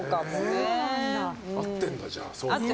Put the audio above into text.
合ってるんだ、じゃあ。